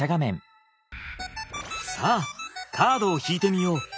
さあカードを引いてみよう。